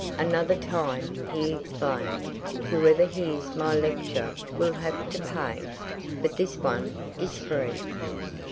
Another time," he explained, "whoever hears my lecture will have to pay. But this one is free."